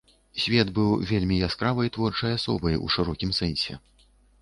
Свет быў вельмі яскравай творчай асобай, у шырокім сэнсе.